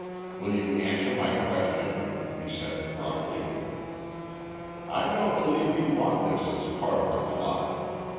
"Will you answer my question?" he said gruffly. "I don't believe you want this as part of a clock.